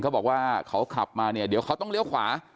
เขาบอกว่าเขาขับมาเนี่ยเดี๋ยวเขาต้องเลี้ยวขวา